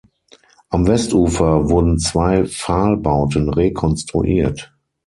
Am Westufer wurden zwei Pfahlbauten rekonstruiert.